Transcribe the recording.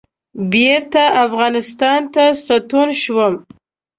بېرته افغانستان ته ستون شوم.